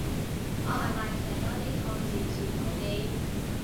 我係咪寫多啲漢字詞好啲